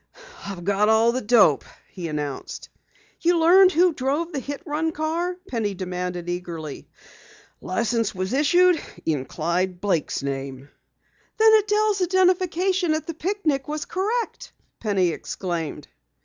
"I've got all the dope!" he announced. "You learned who drove the hit run car?" Penny demanded eagerly. "The license was issued in Clyde Blake's name!" "Then Adelle's identification at the picnic was correct!" Penny exclaimed.